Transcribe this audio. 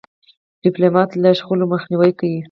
ډيپلومات له شخړو مخنیوی کوي.